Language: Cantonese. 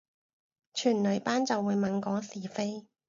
全女班就會猛講是非